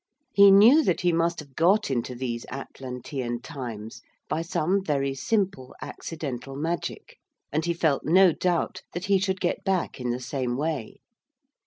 He knew that he must have got into these Atlantean times by some very simple accidental magic, and he felt no doubt that he should get back in the same way.